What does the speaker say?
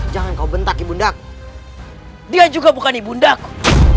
jangan kau bentak ibundaku dia juga bukan ibundaku